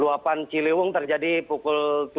luapan ciliwung terjadi pukul tujuh